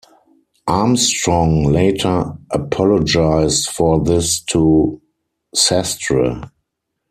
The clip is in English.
Armstrong later apologized for this to Sastre.